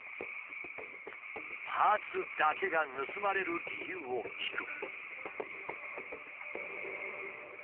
パーツだけが盗まれる理由を聞く。